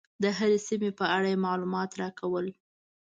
د هرې سیمې په اړه یې معلومات راکول.